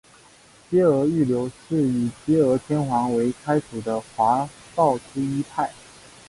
嵯峨御流是以嵯峨天皇为开祖的华道之一派。